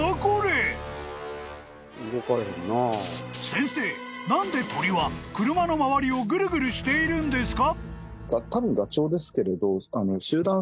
［先生何で鳥は車の周りをぐるぐるしているんですか？］